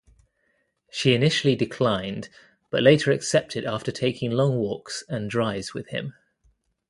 She initially declined, but later accepted after taking long walks and drives with him.